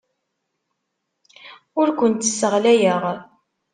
Ur kent-sseɣlayeɣ.